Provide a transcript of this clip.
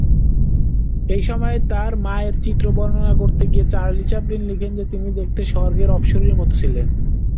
এই সময়ে তার মায়ের চিত্র বর্ণনা করতে গিয়ে চার্লি চ্যাপলিন লিখেন যে তিনি দেখতে "স্বর্গের অপ্সরী"র মত ছিলেন।